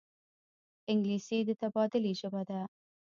انګلیسي د تبادلې ژبه ده